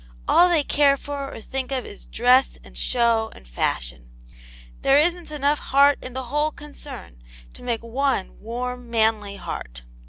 All they care for or think of is dress and show and fashion. There isn't enough heart in the whole concern to make one warm, manly heart.